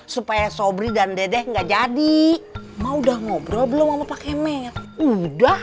supaya sobri dan dedek nggak jadi mau udah ngobrol belum mau pakai med udah